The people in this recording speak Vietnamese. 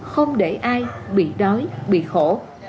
không để ai bị đói bị khổ